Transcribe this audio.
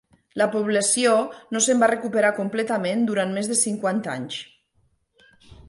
La població no se'n va recuperar completament durant més de cinquanta anys.